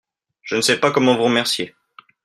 Je ne sais pas comment vous remercier.